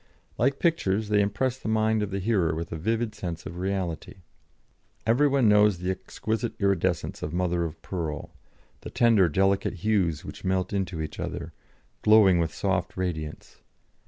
Like pictures, they impress the mind of the hearer with a vivid sense of reality. "Every one knows the exquisite iridiscence of mother of pearl, the tender, delicate hues which melt into each other, glowing with soft radiance.